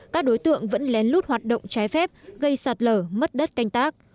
các đối tượng vẫn lén lút hoạt động trái phép gây sạt lở mất đất canh tác